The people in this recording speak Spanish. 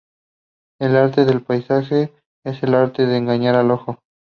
El arte de paisaje es el arte de engañar al ojo.